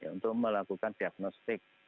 untuk melakukan diagnostik